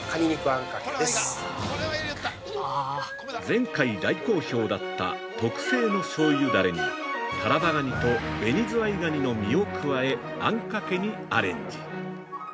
前回大好評だった特製のしょうゆダレにタラバガニとベニズワイガニの身を加えあんかけにアレンジ！